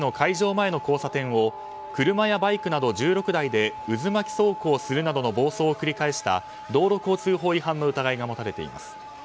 前の交差点を車やバイクなど１６台で渦巻走行するなどの暴走を繰り返した道路交通法違反の疑いが持たれています。